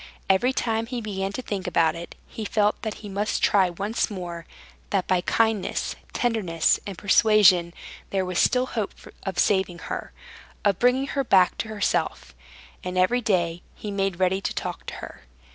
Every time he began to think about it, he felt that he must try once more, that by kindness, tenderness, and persuasion there was still hope of saving her, of bringing her back to herself, and every day he made ready to talk to her.